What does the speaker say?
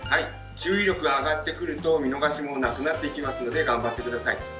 注意力が上がってくると見逃しもなくなってきますので頑張って下さい。